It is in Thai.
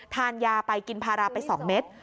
ทานยาไปกินพาราไป๒เม็ด